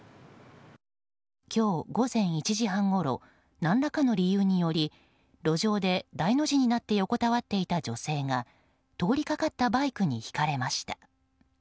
今日午前１時半ごろ何らかの理由により路上で大の字になって横たわっていた女性が通りかかったバイクにひかれました。